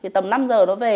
tầm năm giờ nó về